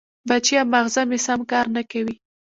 بچیه! ماغزه مې سم کار نه کوي.